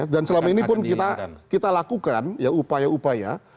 dan selama ini pun kita lakukan upaya upaya